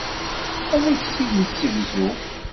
Ad ak-tt-id-tessegzu.